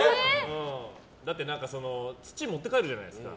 だって土持って帰るじゃないですか。